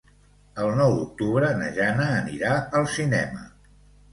El nou d'octubre na Jana anirà al cinema.